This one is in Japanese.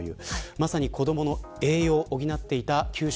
まさに、子どもの栄養を補っていた給食